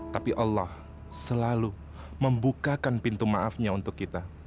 tapi allah selalu membukakan pintu maafnya untuk kita